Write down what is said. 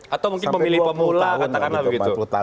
atau mungkin pemilih pemula katakanlah begitu